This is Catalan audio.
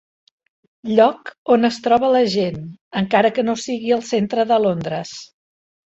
Lloc on es troba la gent, encara que no sigui al centre de Londres.